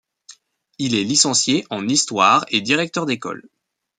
Il est licencié en histoire et directeur d'école.